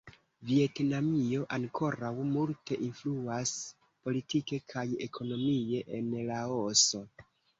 Vjetnamio ankoraŭ multe influas politike kaj ekonomie en Laoso.